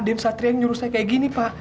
den satria yang nyuruh saya kayak gini pak